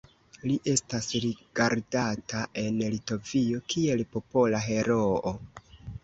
Li estas rigardata en Litovio kiel Popola Heroo.